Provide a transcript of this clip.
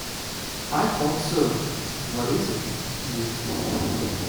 I thought so; what is it, dear?